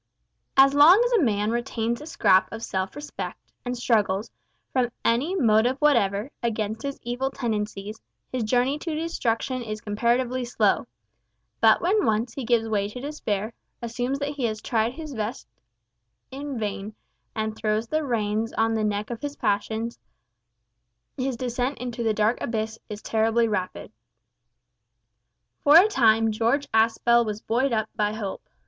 As long as a man retains a scrap of self respect, and struggles, from any motive whatever, against his evil tendencies, his journey to destruction is comparatively slow; but when once he gives way to despair, assumes that he has tried his best in vain, and throws the reins on the neck of his passions, his descent into the dark abyss is terribly rapid. For a time George Aspel was buoyed up by hope.